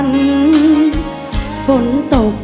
ฝนต่อเมื่อไหร่ฉันคอยไกลเธอในฝัน